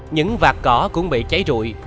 những vạt cỏ cũng bị cháy rụi